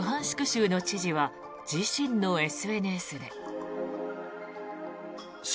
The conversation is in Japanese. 州の知事は自身のＳＮＳで。